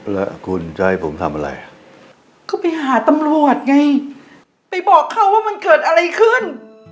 แล้วคุณจะให้ผมทำอะไรก็ไปหาตำรวจไงไปบอกเขาว่ามันเกิดอะไรขึ้น